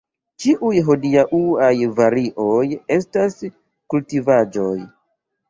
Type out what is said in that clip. Ĉiuj hodiaŭaj varioj estas kultivaĵoj.